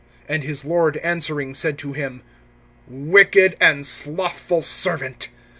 (26)And his lord answering said to him: Wicked and slothful servant!